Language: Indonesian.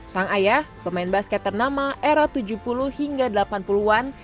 sang ayah pemain basket ternama era tujuh puluh hingga delapan puluh an